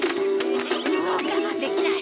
もう我慢できない。